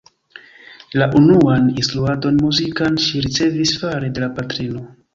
La unuan instruadon muzikan ŝi ricevis fare de la patrino.